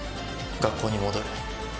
学校に戻る。